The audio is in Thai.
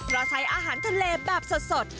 เราใช้อาหารทะเลแบบสด